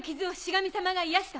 神様が癒やした。